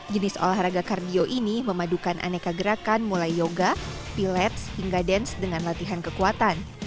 jenis olahraga kardio ini memadukan aneka gerakan mulai yoga pilets hingga dance dengan latihan kekuatan